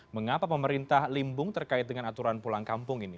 mengapa pemerintah limbung terkait dengan aturan pulang kampung ini